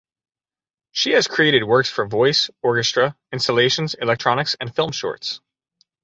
She has created works for voice, orchestra, installations, electronics and film shorts.